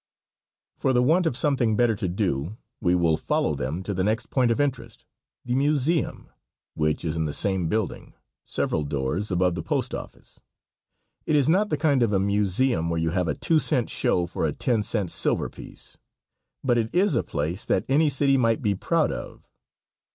For the want of something better to do we will follow them to the next point of interest the museum which is in the same building, several doors above the post office. It is not the kind of a museum where you have a two cent show for a ten cent silver piece, but it is a place that any city might be proud of.